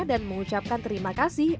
dan mengucapkan terima kasih